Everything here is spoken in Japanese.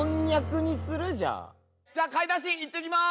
じゃあ買い出し行ってきます！